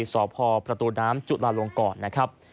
สพประตูน้ำจุลาลงก่อนนะครับ